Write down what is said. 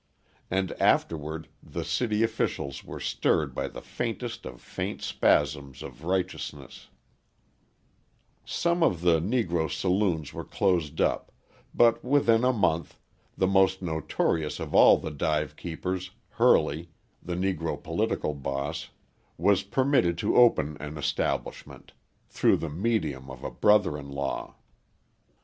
And afterward the city officials were stirred by the faintest of faint spasms of righteousness: some of the Negro saloons were closed up, but within a month, the most notorious of all the dive keepers, Hurley, the Negro political boss, was permitted to open an establishment through the medium of a brother in law!